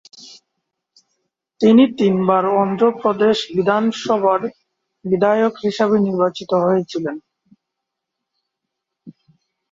তিনি তিনবার অন্ধ্রপ্রদেশ বিধানসভার বিধায়ক হিসেবে নির্বাচিত হয়েছিলেন।